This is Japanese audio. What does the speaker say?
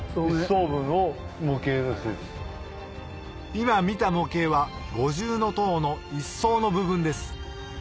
今見た模型は五重塔の一層の部分です